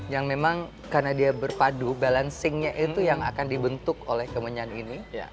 yang memang karena dia berpadu balancingnya itu yang akan dibentuk oleh kemenyan ini